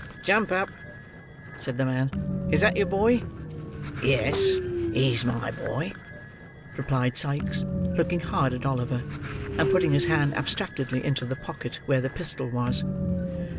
"Jump up," said the man. "Is that your boy?" "Yes; he's my boy," replied Sikes, looking hard at Oliver, and putting his hand abstractedly into the pocket where the pistol was.